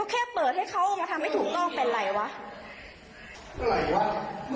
ชีวิตของมึงโมคลม